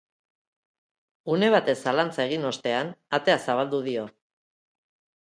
Une batez zalantza egin ostean, atea zabaldu dio.